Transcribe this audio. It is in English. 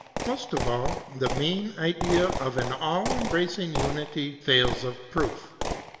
Most of all, the main idea of an all embracing unity fails of proof.